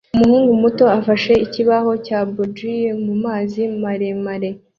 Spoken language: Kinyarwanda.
Umuhungu muto afashe ikibaho cya boogie mumazi maremare